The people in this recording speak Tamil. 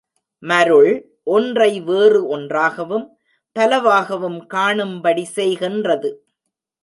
மருள், ஒன்றை வேறு ஒன்றாகவும் பலவாகவும் காணும்படி செய்கின்றது.